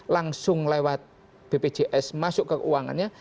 langsung lewat bpjs masuk ke keuangannya